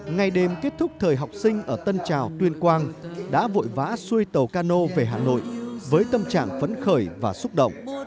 ngày đêm kết thúc thời học sinh ở tân trào tuyên quang đã vội vã xuôi tàu cano về hà nội với tâm trạng phấn khởi và xúc động